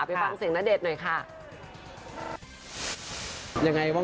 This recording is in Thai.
ประพันธ์เสียงนาเดชน์หน่อยค่ะ